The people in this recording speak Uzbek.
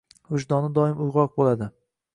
Vijdoni doim uyg`oq bo`ladi